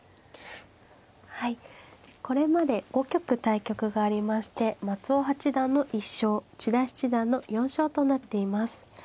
はいこれまで５局対局がありまして松尾八段の１勝千田七段の４勝となっています。